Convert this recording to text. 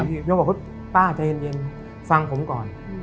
พี่เขาก็บอกว่าป้าใจเย็นฟังผมก่อน